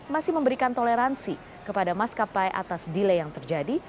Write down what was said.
masih memberikan toleransi kepada maskapai atas delay yang terjadi